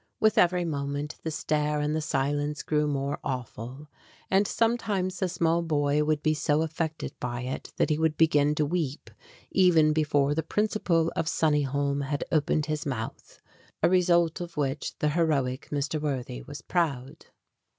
With every moment the stare and the silence grew more awful; sometimes the small boy would be so affected by it that he would begin to weep even before the principal of "Sunni holme" had opened his mouth a result of which the heroic Mr. Worthy was proud.